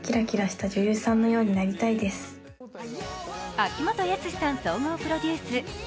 秋元康さん総合プロデュース。